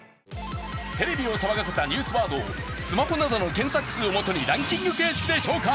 テレビを騒がせたニュースワードをスマホなどの検索数をもとにランキング形式で紹介。